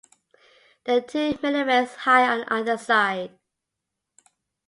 There are two minarets high on either side.